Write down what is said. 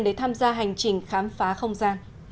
để tham gia hành trình khám phá không gian